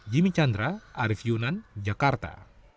jimmy chandra arief yunan jakarta